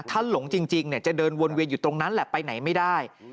ถ้าหลงจริงจะเดินวนเวียนอยู่ตรงนั้นแหละไปไหนไม่ได้